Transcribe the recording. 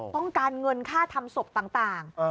ต้องการเงินค่าทำศพต่าง